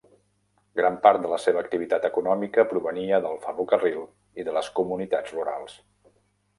Gran part de la seva activitat econòmica provenia del ferrocarril i de les comunitats rurals.